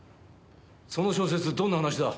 その小説どんな話だ？